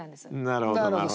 なるほどなるほど。